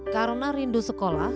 karena rindu sekolah